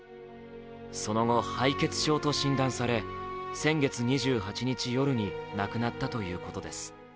その後、敗血症と診断され先月２８日夜に亡くなったということです。